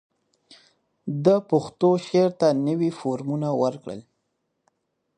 ده پښتو شعر ته نوي فورمونه ورکړل